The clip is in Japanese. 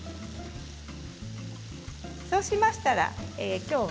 そうしましたら、きょうは。